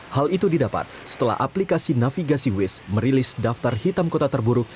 hal itu didapat setelah aplikasi navigasi waze merilis daftar hitam kota terburuk